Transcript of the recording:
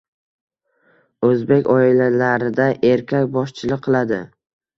O‘zbek oilalarida erkak boshchilik qiladi.